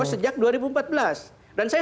sejak dua ribu empat belas dan saya